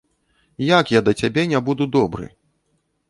Як я да цябе не буду добры?